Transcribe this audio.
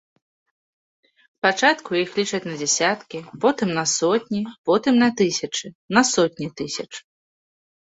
Спачатку іх лічаць на дзесяткі, потым на сотні, потым на тысячы, на сотні тысяч.